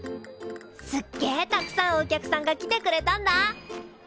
すっげえたくさんお客さんが来てくれたんだ。